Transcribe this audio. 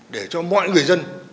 để cho mọi người dân